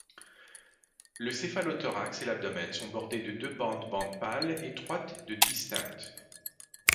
Le céphalothorax et l'abdomen sont bordées de deux bandes bandes pâles étroites de distinctes.